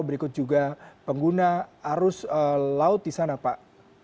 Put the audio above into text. berikut juga pengguna arus laut di sana pak